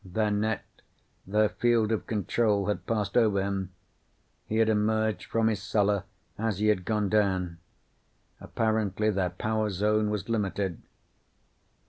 Their net, their field of control, had passed over him. He had emerged from his cellar as he had gone down. Apparently their power zone was limited.